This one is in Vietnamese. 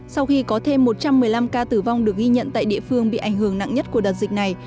sau khi có thêm một trăm một mươi năm ca tử vong được ghi nhận tại địa phương bị ảnh hưởng nặng nhất của đợt dịch này